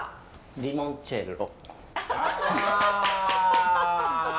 リモンチェッロ。